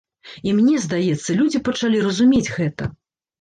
І мне здаецца, людзі пачалі разумець гэта.